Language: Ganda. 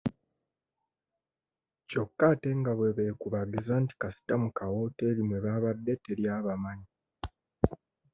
Kyokka ate nga bwe beekubagiza nti kasita mu kawooteri mwe babade teri abamanyi.